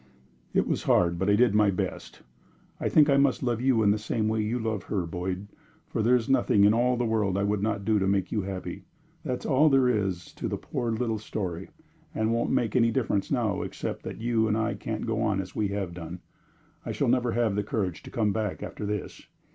It was hard but I did my best. I think I must love you in the same way you love her, Boyd, for there is nothing in all the world I would not do to make you happy. That's all there is to the poor little story, and it won't make any difference now, except that you and I can't go on as we have done; I shall never have the courage to come back after this.